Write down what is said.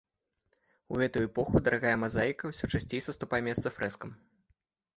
У гэтую эпоху дарагая мазаіка ўсё часцей саступае месца фрэскам.